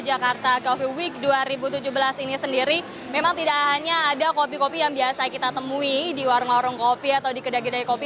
jakarta coffee week dua ribu tujuh belas ini sendiri memang tidak hanya ada kopi kopi yang biasa kita temui di warung warung kopi atau di kedai kedai kopi